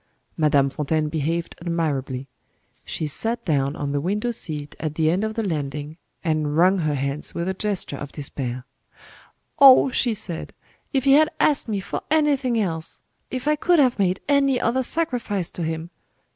Madame Fontaine behaved admirably. She sat down on the window seat at the end of the landing, and wrung her hands with a gesture of despair. "Oh!" she said, "if he had asked me for anything else! If I could have made any other sacrifice to him!